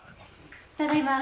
ただいま。